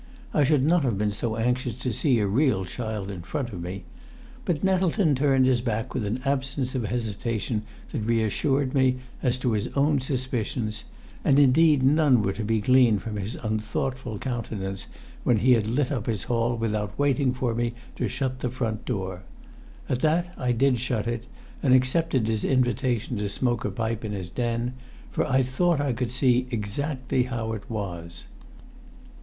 I should not have been so anxious to see a real child in front of me. But Nettleton turned his back with an absence of hesitation that reassured me as to his own suspicions, and indeed none were to be gleaned from his unthoughtful countenance when he had lit up his hall without waiting for me to shut the front door. At that I did shut it, and accepted his invitation to smoke a pipe in his den; for I thought I could see exactly how it was.